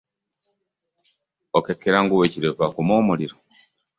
Okekkera ng’ow’ekirevu akuma omuliro.